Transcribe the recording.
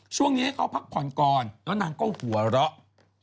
ช่วงนี้ให้เขาพักผ่อนก่อนแล้วนางก็หัวเราะ